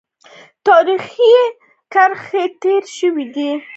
تاریخي کرښه تېره شوې ده.